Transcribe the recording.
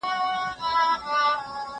ویل راسه پر لېوه پوښتنه وکه